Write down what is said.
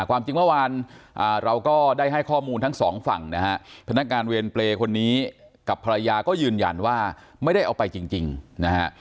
ความจริงเมื่อวานเราก็ได้ให้ข้อมูลทั้งสองฝั่งนะฮะพนักงานเวรเปรย์คนนี้กับภรรยาก็ยืนยันว่าไม่ได้เอาไปจริงนะฮะ